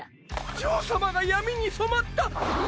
ジョー様が闇に染まった！